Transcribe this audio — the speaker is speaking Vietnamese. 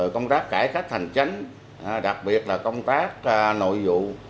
công tác cải cách hành chánh đặc biệt là công tác nội vụ